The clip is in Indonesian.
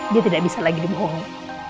dia tidak bisa lagi dibohongi